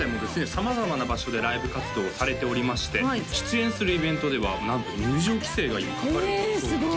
様々な場所でライブ活動をされておりまして出演するイベントではなんと入場規制がかかるんだそうですね